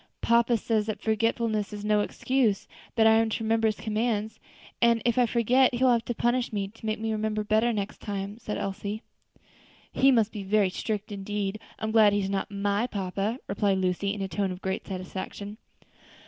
'" "Papa says that forgetfulness is no excuse; that I am to remember his commands, and if I forget, he will have to punish me, to make me remember better next time," said Elsie. "He must be very strict indeed; I'm glad he is not my papa," replied Lucy, in a tone of great satisfaction.